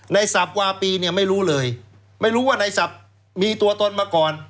สับวาปีเนี่ยไม่รู้เลยไม่รู้ว่าในศัพท์มีตัวตนมาก่อน